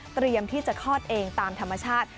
เตรียมที่จะคลอดเองตามธรรมชาติ